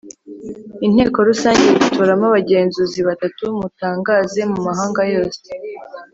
Inteko rusange yitoramo abagenzuzi batatu mutangaze mu mahanga yose